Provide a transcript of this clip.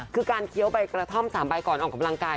คือการเคี้ยวใบกระท่อม๓ใบก่อนออกกำลังกาย